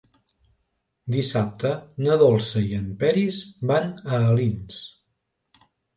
Dissabte na Dolça i en Peris van a Alins.